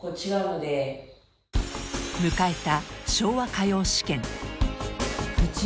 迎えた